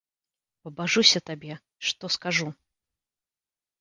Пабажуся табе, што скажу!